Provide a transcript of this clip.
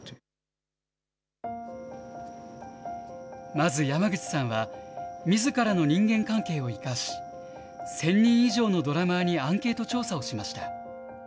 まず山口さんは、みずからの人間関係を生かし、１０００人以上のドラマーにアンケート調査をしました。